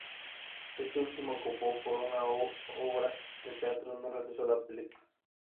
Este último, ocupado por una obra de teatro, no realizó la película.